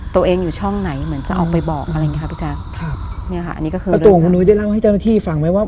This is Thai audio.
ตัวเองอยู่ช่องไหนเหมือนจะออกไปบอกอะไรอย่างเงี้ค่ะพี่แจ๊คครับเนี่ยค่ะอันนี้ก็คือตัวของคุณนุ้ยได้เล่าให้เจ้าหน้าที่ฟังไหมว่า